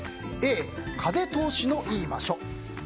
Ａ、風通しのいい場所